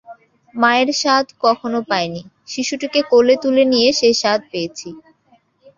মায়ের স্বাদ কখনো পাইনি, শিশুটিকে কোলে তুলে নিয়ে সেই স্বাদ পেয়েছি।